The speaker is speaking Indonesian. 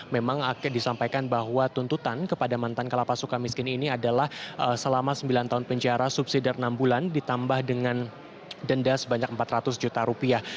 memang disampaikan bahwa tuntutan kepada mantan kalapas suka miskin ini adalah selama sembilan tahun penjara subsidi dari enam bulan ditambah dengan denda sebanyak empat ratus juta rupiah